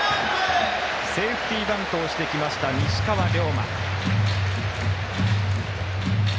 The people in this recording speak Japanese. セーフティーバントをしてきました、西川龍馬。